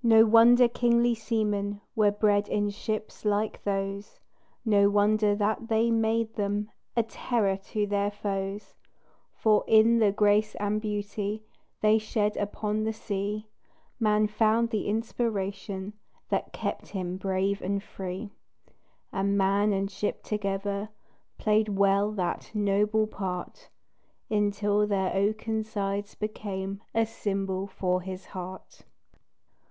No wonder kingly seamen Were bred in ships like those; No wonder that they made them A terror to their foes. For in the grace and beauty They shed upon the sea Man found the inspiration That kept him brave and free. And man and ship together Played well that noble part, Until their oaken sides became A symbol for his heart.